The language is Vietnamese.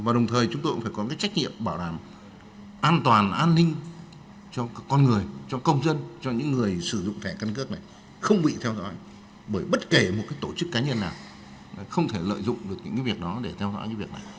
và đồng thời chúng tôi cũng phải có cái trách nhiệm bảo đảm an toàn an ninh cho con người cho công dân cho những người sử dụng thẻ căn cước này không bị theo dõi bởi bất kể một tổ chức cá nhân nào không thể lợi dụng được những việc đó để theo dõi những việc này